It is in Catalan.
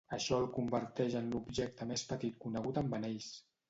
Això el converteix en l'objecte més petit conegut amb anells.